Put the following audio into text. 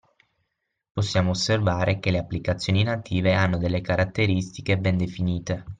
Possiamo osservare che le applicazioni native hanno delle caratteristiche ben definite.